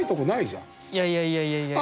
いやいやいやいやいや。